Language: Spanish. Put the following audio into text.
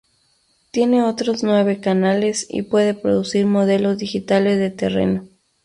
Tiene otros nueve canales y puede producir modelos digitales de terreno.